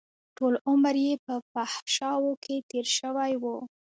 ټول عمر يې په فحشاوو کښې تېر شوى و.